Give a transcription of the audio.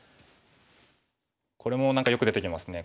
これも何かよく出てきますね